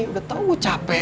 udah tau gue capek